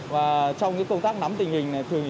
và trong công tác nắm tình hình